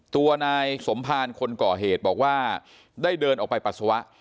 ตัวนายสมภารคนก่อเหตุบอกว่าได้เดินออกไปปัสสาวะ